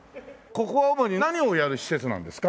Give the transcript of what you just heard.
ここは主に何をやる施設なんですか？